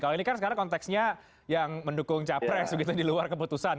kalau ini kan sekarang konteksnya yang mendukung capres begitu di luar keputusan